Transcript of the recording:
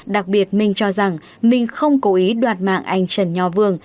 đặc biệt minh cho rằng mình không cố ý đoạt mạng anh trần nho vương